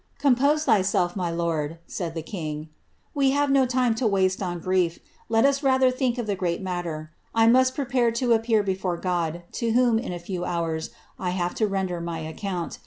^^ Compose yourself, my 1 the king; ^we have no time to waste on grief; let us rather the great matter. I must prepare to appear before God, to a few hours, I have to render my account.